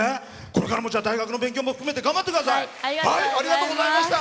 これからも大学の勉強も含めて頑張ってください。